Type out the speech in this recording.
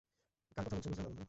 কার কথা বলছ, বুঝলাম না, বন্ধু।